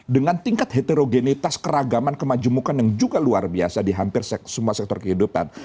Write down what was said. dengan tingkat heterogenitas keragaman kemajemukan yang juga luar biasa di hampir semua sektor kehidupan